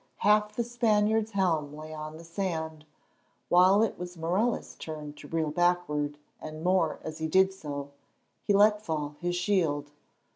half the Spaniard's helm lay on the sand, while it was Morella's turn to reel backward—and more, as he did so, he let fall his shield.